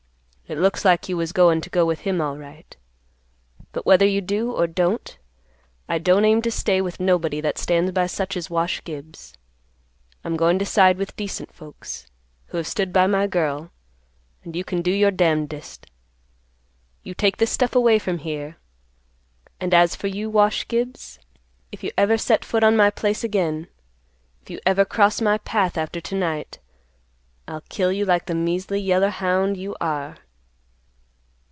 It looks like you was goin' to go with him alright. But whether you do or don't, I don't aim to stay with nobody that stands by such as Wash Gibbs. I'm goin' to side with decent folks, who have stood by my girl, and you can do your damnedest. You take this stuff away from here. And as for you, Wash Gibbs, if you ever set foot on my place again, if you ever cross my path after to night I'll kill you like the measly yeller hound you are."